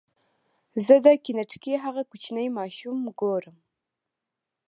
زه د کینټکي هغه کوچنی ماشوم ګورم.